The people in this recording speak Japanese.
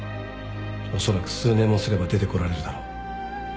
おそらく数年もすれば出てこられるだろう。